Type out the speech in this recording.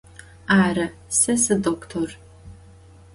Arı, se sıdoktor.